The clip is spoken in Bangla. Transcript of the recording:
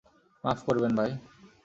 মাফ করবেন ভাই।